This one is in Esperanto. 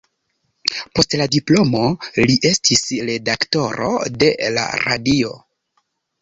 Post la diplomo li estis redaktoro de la Radio.